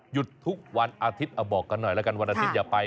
หยุดทุกวันอาทิตย์บอกกันหน่อยละกันวันอาทิตย์อย่าไป